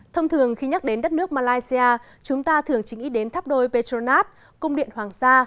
thông thường khi nhắc đến đất nước malaysia chúng ta thường chính ý đến tháp đôi petronas cung điện hoàng sa